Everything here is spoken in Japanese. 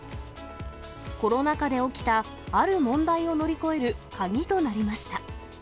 コロナ禍で起きたある問題を乗り越える鍵となりました。